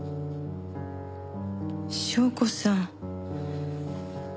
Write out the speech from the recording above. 祥子さん。